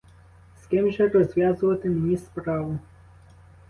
З ким же розв'язувати мені справу?